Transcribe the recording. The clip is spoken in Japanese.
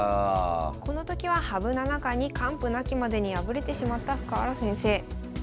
この時は羽生七冠に完膚なきまでに敗れてしまった深浦先生。